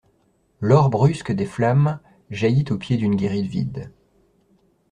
L'or brusque des flammes jaillit au pied d'une guérite vide.